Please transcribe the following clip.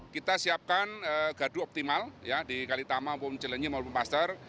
kita siapkan gardu optimal di kalitama pumcelenji maupun paster